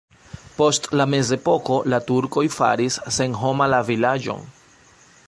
Post la mezepoko la turkoj faris senhoma la vilaĝon.